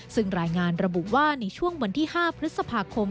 ซึ่งรายงานระบุว่าในช่วงวันที่๕พฤษภาคม